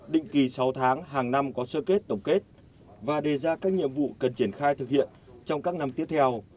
định kỳ sáu tháng hàng năm có sơ kết tổng kết và đề ra các nhiệm vụ cần triển khai thực hiện trong các năm tiếp theo